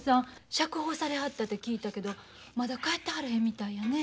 釈放されはったって聞いたけどまだ帰ってはらへんみたいやね。